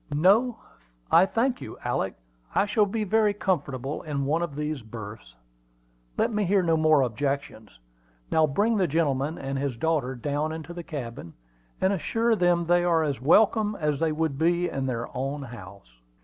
"No, I thank you, Alick. I shall be very comfortable in one of these berths. Let me hear no more objections. Now bring the gentleman and his daughter down into the cabin, and assure them they are as welcome as they would be in their own house."